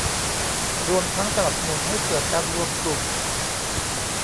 รวมทั้งสนับสนุนให้เกิดการรวมกลุ่ม